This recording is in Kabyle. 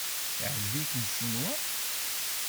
Teɛjeb-ikem Ccinwa?